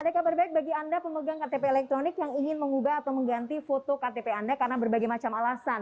ada kabar baik bagi anda pemegang ktp elektronik yang ingin mengubah atau mengganti foto ktp anda karena berbagai macam alasan